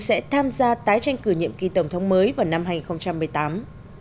sẽ tham gia tái tranh cử nhiệm kỳ tổng thống mới vào năm hai nghìn một mươi tám